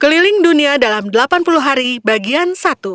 keliling dunia dalam delapan puluh hari bagian satu